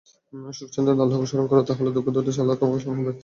সুখ-সাচ্ছন্দে আল্লাহকে স্মরণ কর তাহলে দুঃখ দুর্দশায় আল্লাহ তোমাকে স্মরণ করবেন।